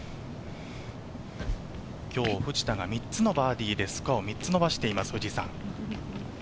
今日、藤田が３つのバーディーでスコアを３つ伸ばしています。